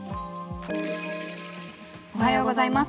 おはようございます。